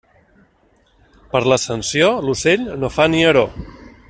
Per l'Ascensió, l'ocell no fa nieró.